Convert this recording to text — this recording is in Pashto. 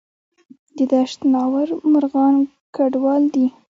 د دشت ناور مرغان کډوال دي